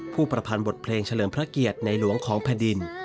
ประพันธ์บทเพลงเฉลิมพระเกียรติในหลวงของแผ่นดิน